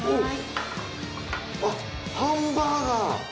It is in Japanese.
あっハンバーガー！